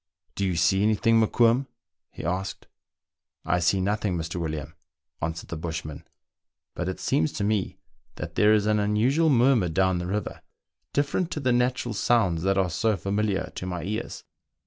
"Do you see any thing, Mokoum .'" he asked. " I see nothing, Mr. William," answered the bushman, " but it seems to me that there is an unusual murmur down the river, different to the natural sounds that are so familiar to my ears."